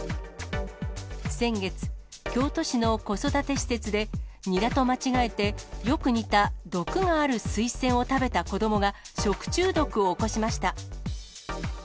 先月、京都市の子育て施設で、ニラと間違えて、よく似た毒があるスイセンを食べた子どもが、食中毒を起こしました。